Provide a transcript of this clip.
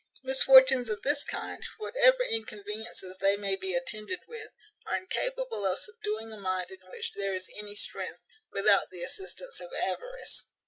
Misfortunes of this kind, whatever inconveniencies they may be attended with, are incapable of subduing a mind in which there is any strength, without the assistance of avarice.